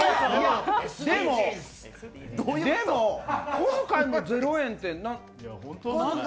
でも、小遣いも０円って。